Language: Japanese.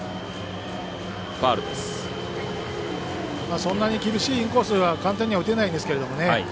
そんなに厳しいインコースは簡単に打てないですけどね。